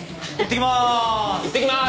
行ってきまーす。